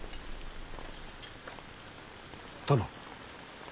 殿。